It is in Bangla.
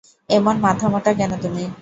এমন মাথামোটা কেন তুমি?